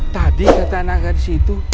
tadi kata anak anak di situ